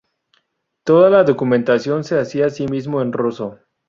Toda la documentación se hacía asimismo en ruso.